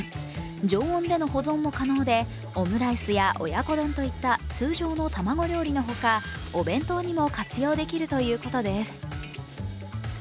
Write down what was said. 常温での保存も可能でオムライスや親子丼といった通常の卵料理のほか、お弁当にも活用できるということです。